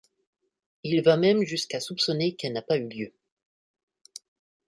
Il va même jusqu'à soupçonner qu'elle n'a pas eu lieu.